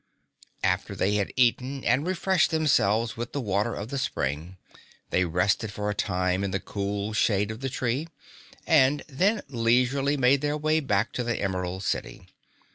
After they had eaten and refreshed themselves with the water of the spring, they rested for a time in the cool shade of the tree, and then leisurely made their way back to the Emerald City.